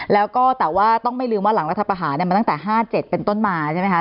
แล้วก็แต่ว่าต้องไม่ลืมว่าหลังรัฐประหารมาตั้งแต่๕๗เป็นต้นมาใช่ไหมคะ